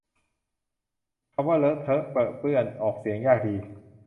คำว่าเลอะเทอะเปรอะเปื้อน ออกเสียงยากดี